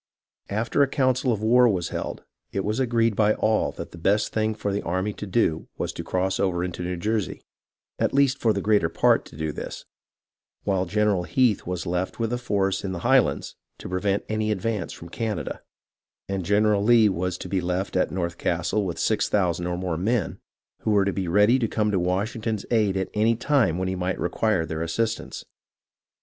After a council of war was held, it was agreed by all that the best thing for the army to do was to cross over into New Jersey, at least for the greater part to do this, while General Heath was to be left with a force in the High lands, to prevent any advance from Canada ; and General Lee was to be left at North Castle with six thousand or more rnen, who were to be ready to come to Washington's aid at any time when he might require their assistance.